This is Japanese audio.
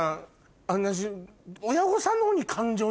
私。